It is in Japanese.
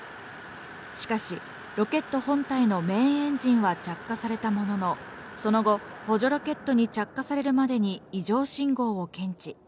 しかし、ロケット本体のメインエンジンは着火されたものの、その後、補助ロケットに着火されるまでに異常信号を検知。